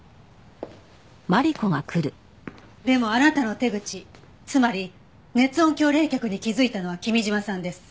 でもあなたの手口つまり熱音響冷却に気づいたのは君嶋さんです。